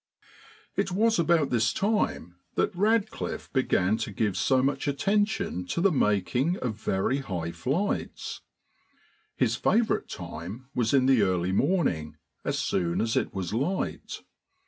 It was about this time that Radcliffe began to give so much attention to the making of very high flights. His favourite time was in the early morning, as soon as it was light.